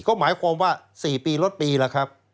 ก็หมายความว่า๔ปีลดปีแล้วครับ